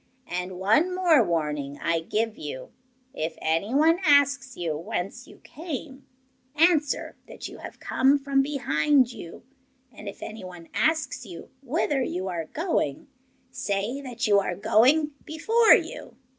And one more warning I give you. If anyone asks you whence you came, answer that you have come from behind you; and if anyone asks you whither you are going, say that you are going before you.